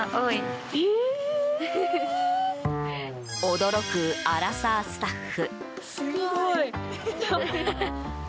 驚くアラサースタッフ。